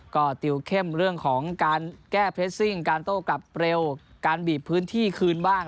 ก็ติวเข้มเรื่องของการแก้เรสซิ่งการโต้กลับเร็วการบีบพื้นที่คืนบ้าง